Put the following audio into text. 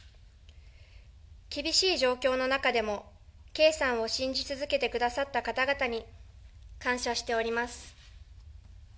厳しい状況の中でも、圭さんを信じ続けてくださった方々に、感謝しております。